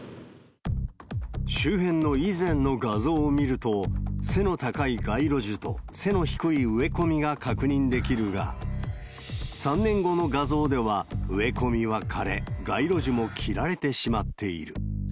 周辺の以前の画像を見ると、背の高い街路樹と背の低い植え込みが確認できるが、３年後の画像では植え込みは枯れ、街路樹も切られてしまっている。